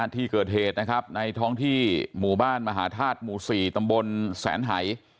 ที่เกิดเหตุนะครับในท้องที่หมู่บ้านมหาธาตุหมู่๔ตำบลแสนหาย